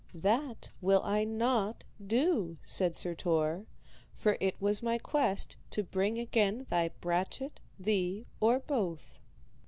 That will I not do, said Sir Tor, for it was my quest to bring again thy brachet, thee, or both.